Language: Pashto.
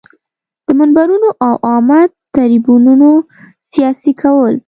د منبرونو او عامه تریبیونونو سیاسي کول.